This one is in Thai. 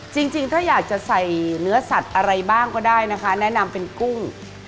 จริงถ้าอยากจะใส่เนื้อสัตว์อะไรบ้างก็ได้นะคะแนะนำเป็นกุ้ง